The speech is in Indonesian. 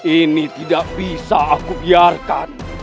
ini tidak bisa aku biarkan